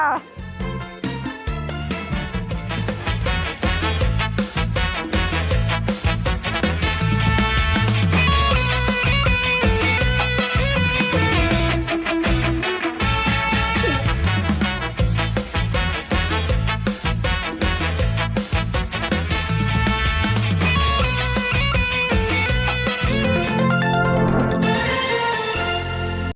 สวัสดีครับสวัสดีครับ